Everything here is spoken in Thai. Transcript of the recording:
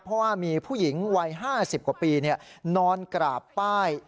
เพราะว่ามีผู้หญิงวัย๕๐กว่าปีนอนกราบป้าย